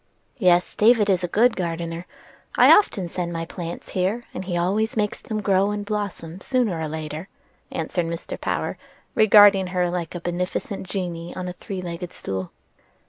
"Yes, David is a good gardener. I often send my sort of plants here, and he always makes them grow and blossom sooner or later," answered Mr. Power, regarding her like a beneficent genie on a three legged stool.